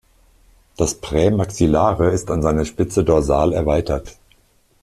Das Prämaxillare ist an seiner Spitze dorsal erweitert.